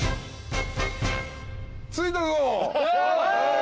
着いたぞ！